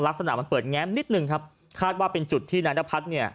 ลักษณะมันเปิดแง้มนิดนึงครับคาดว่าเป็นจุดที่นายนพัฒน์เนี่ย